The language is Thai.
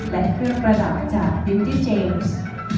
และเครื่องประดับจากดิวดี้เจนส์